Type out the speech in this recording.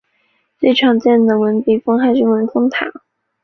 最常见的文笔峰还是文峰塔。